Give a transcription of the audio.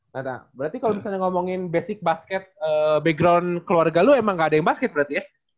nah berarti kalau misalnya ngomongin basic basket background keluarga lo emang gak ada yang basket berarti ya